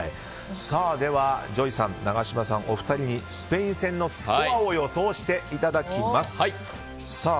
ではＪＯＹさん、永島さんお二人にスペイン戦のスコアを予想していただきます。